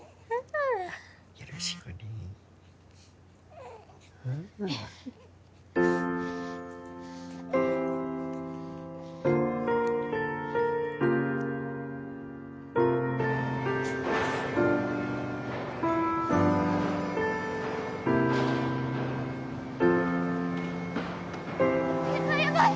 よろしくねやばい